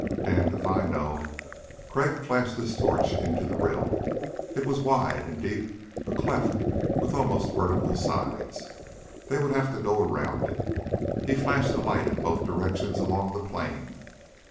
"Damned if I know." Crag flashed his torch into the rill. It was wide and deep, a cleft with almost vertical sides. They would have to go around it. He flashed the light in both directions along the plain.